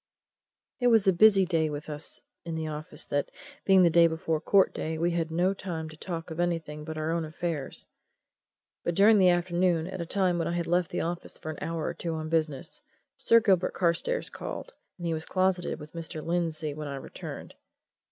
It was a busy day with us in the office that, being the day before court day, and we had no time to talk of anything but our own affairs. But during the afternoon, at a time when I had left the office for an hour or two on business, Sir Gilbert Carstairs called, and he was closeted with Mr. Lindsey when I returned.